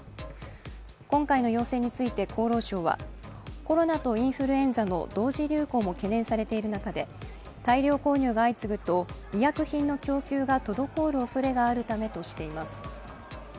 今回の要請について厚労省は、コロナとインフルエンザの同時流行も懸念されている中で、大量購入が相次ぐと医薬品の供給が滞るおそれがあるためとしています。